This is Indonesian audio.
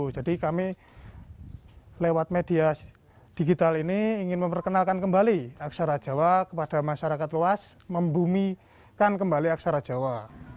jadi kami lewat media digital ini ingin memperkenalkan kembali aksara jawa kepada masyarakat luas membumikan kembali aksara jawa